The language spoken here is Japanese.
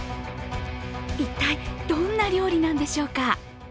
一体どんな料理なんでしょうか。